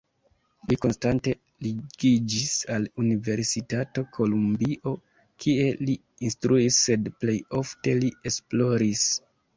Li konstante ligiĝis al Universitato Kolumbio, kie li instruis, sed plej ofte li esploris.